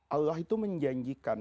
allah itu menjanjikan